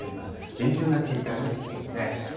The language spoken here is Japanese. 厳重な警戒が必要です。